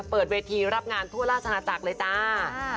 เปิดเวทีรับงานทั่วราชนาจักรเลยจ้า